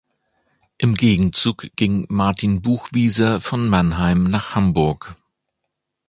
Im Gegenzug ging Martin Buchwieser von Mannheim nach Hamburg.